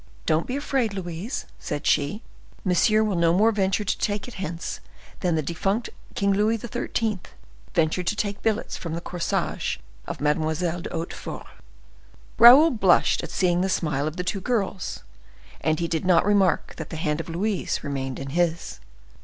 "Don't be afraid, Louise," said she; "monsieur will no more venture to take it hence than the defunct king Louis XIII. ventured to take billets from the corsage of Mademoiselle de Hautefort." Raoul blushed at seeing the smile of the two girls; and he did not remark that the hand of Louise remained in his.